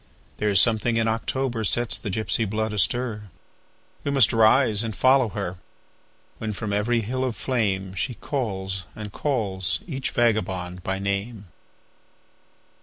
There is something in October sets the gypsy blood astir; We must rise and follow her, When from every hill of flameShe calls and calls each vagabond by name.